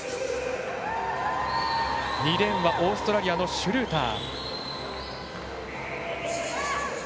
２レーンはオーストラリアシュルーター。